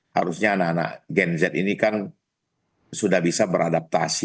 harusnya anak anak gen z ini kan sudah bisa beradaptasi